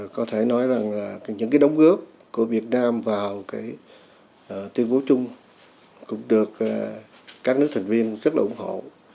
có thể nói rằng là những cái đóng góp của việt nam vào cái tuyên bố chung cũng được các nước thành viên rất là ủng hộ